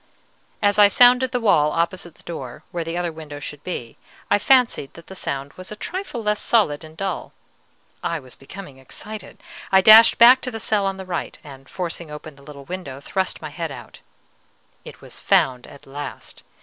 As I sounded the wall opposite the door, where the other window should be, I fancied that the sound was a trifle less solid and dull. I was becoming excited. I dashed back to the cell on the right, and, forcing open the little window, thrust my head out. It was found at last!